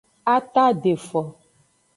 A taadefo.